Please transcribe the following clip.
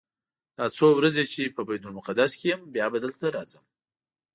دا څو ورځې چې په بیت المقدس کې یم بیا به دلته راځم.